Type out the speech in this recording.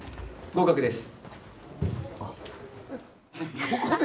合格です。